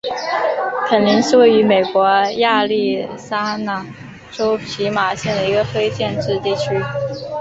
昆林是位于美国亚利桑那州皮马县的一个非建制地区。